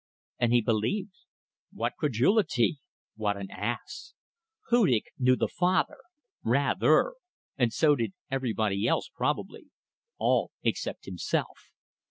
And he believed! What credulity! What an ass! Hudig knew the father! Rather. And so did everybody else probably; all except himself.